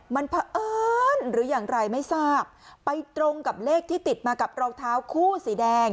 มันเผอิญหรืออย่างไรไม่ทราบไปตรงกับเลขที่ติดมากับรองเท้าคู่สีแดง